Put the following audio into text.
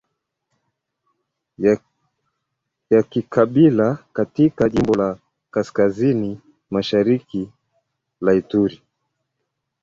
ya kikabila katika jimbo la kaskazini mashariki la Ituri